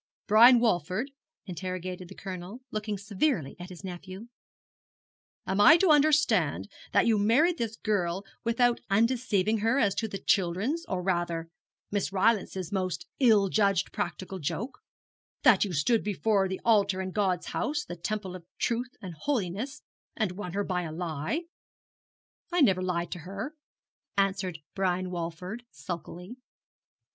'Brian Walford,' interrogated the Colonel, looking severely at his nephew, 'am I to understand that you married this girl without undeceiving her as to the children's, or rather Miss Rylance's, most ill judged practical joke that you stood before the altar in God's House, the temple of truth and holiness, and won her by a lie?' 'I never lied to her,' answered Brian Walford, sulkily.